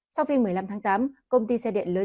sau phiên một mươi năm tháng tám công ty xe điện lưới